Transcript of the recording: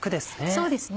そうですね